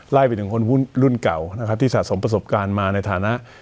ไปถึงคนรุ่นเก่านะครับที่สะสมประสบการณ์มาในฐานะ